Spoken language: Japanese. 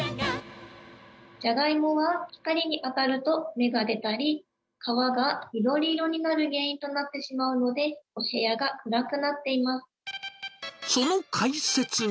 ジャガイモは光に当たると芽が出たり、皮が緑色になる原因となってしまうので、お部屋が暗くなっていまその解説に。